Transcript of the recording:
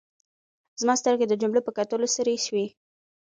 زما سترګې د جملو په کتلو سرې شوې.